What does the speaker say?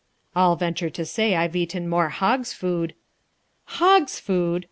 I'll venture to say I've eaten more hog's food " "Hog's food!"